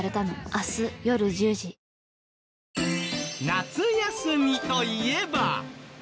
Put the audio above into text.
夏休みといえば。